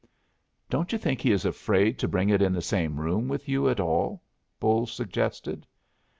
"Don't you think he is afraid to bring it in the same room with you at all?" Bolles suggested.